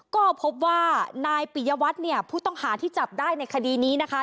ก็พบว่านายปิยวัตรเนี่ยผู้ต้องหาที่จับได้ในคดีนี้นะคะ